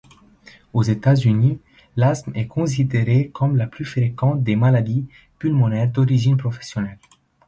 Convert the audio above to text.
Aux États-Unis, l'asthme est considéré comme la plus fréquente des maladies pulmonaires d'origine professionnelle.